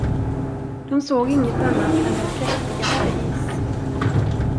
De såg ingenting annat än den präktigaste is.